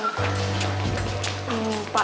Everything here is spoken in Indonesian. sampai jumpa pak